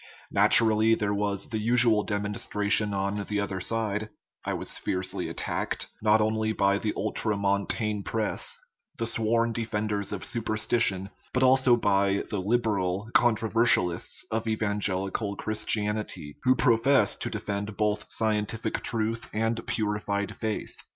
Naturally there was 332 OUR MONISTIC RELIGION the usual demonstration on the other side ; I was fierce ly attacked, not only by the ultramontane press, the sworn defenders of superstition, but also by the " lib eral " controversialists of evangelical Christianity, who profess to defend both scientific truth and purified faith.